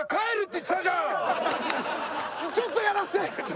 ちょっとやらせて！